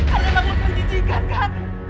ada langit mencicikan kan